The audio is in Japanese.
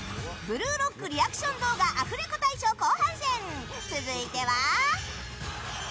「ブルーロック」リアクション動画アフレコ大賞後半戦続いては。